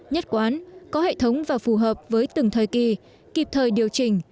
nhất quán có hệ thống và phù hợp với từng thời kỳ kịp thời điều chỉnh